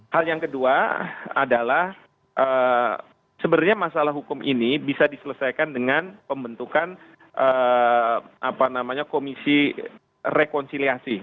hal yang kedua adalah sebenarnya masalah hukum ini bisa diselesaikan dengan pembentukan komisi rekonsiliasi